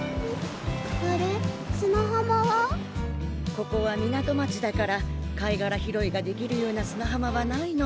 ここは港町だから貝殻拾いができるような砂浜はないの。